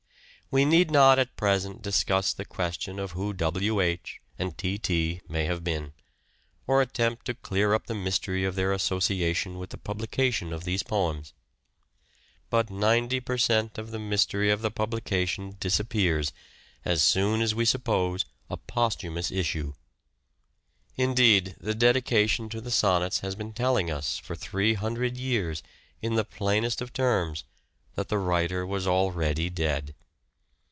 We need not at present discuss the question of who W. H. and T. T. may have been, or attempt to clear up the mystery of their association with the publication of these poems ; but ninety per cent, of the mystery of the publication disappears as soon as we suppose a 419 posthumous issue. Indeed the dedication to the Sonnets has been telling us for three hundred years, in the plainest of terms, that the writer was already dead.